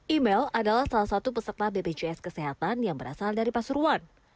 email adalah salah satu peserta bpjs kesehatan yang berasal dari pasuruan